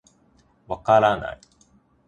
分からない。